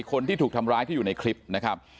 คนที่ถูกทำร้ายที่อยู่ในคลิปนะครับ